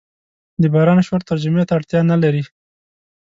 د باران شور ترجمې ته اړتیا نه لري.